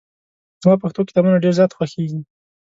زما پښتو کتابونه ډېر زیات خوښېږي.